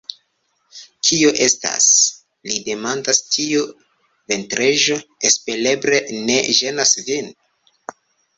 Kio estas?li demandas. Tiu ventrego espereble ne ĝenas vin?